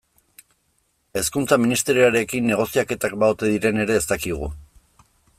Hezkuntza Ministerioarekin negoziaketak ba ote diren ere ez dakigu.